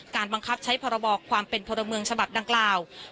บังคับใช้พรบความเป็นพลเมืองฉบับดังกล่าว